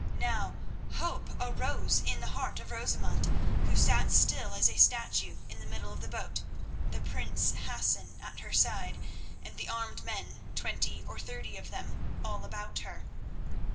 Now hope rose in the heart of Rosamund, who sat still as a statue in the middle of the boat, the prince Hassan at her side and the armed men—twenty or thirty of them—all about her.